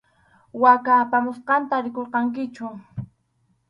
Waka apamusqanta rikurqankichu.